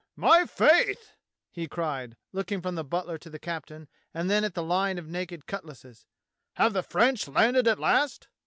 " My faith !" he cried, looking from the butler to the captain, and then at the line of naked cutlasses. "Have the French landed at last.